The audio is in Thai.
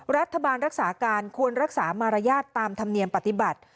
รัฐบาลรักษาการควรรักษามารยาทตามธรรมเนียมปฏิบัติ